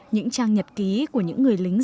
những trang nhật ký của những người lính giải phóng